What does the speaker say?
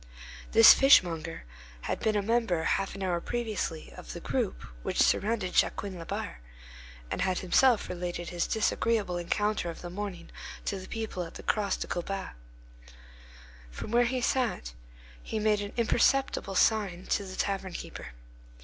This fishmonger had been a member half an hour previously of the group which surrounded Jacquin Labarre, and had himself related his disagreeable encounter of the morning to the people at the Cross of Colbas. From where he sat he made an imperceptible sign to the tavern keeper.